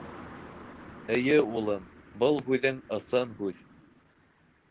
— Эйе, улым, был һүҙең ысын һүҙ.